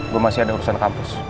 gue masih ada urusan kampus